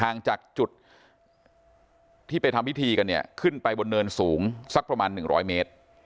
ห่างจากจุดที่ไปทำพิธีกันเนี่ยขึ้นไปบนเนินสูงสักประมาณ๑๐๐เมตร